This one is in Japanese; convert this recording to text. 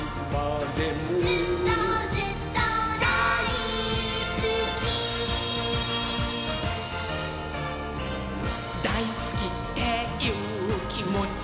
「ずっとずっとだいすき」「だいすきっていうきもちは」